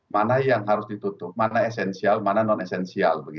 mana yang harus ditutup mana esensial mana non esensial